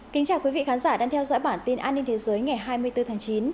kính chào quý vị khán giả đang theo dõi bản tin an ninh thế giới ngày hai mươi bốn tháng chín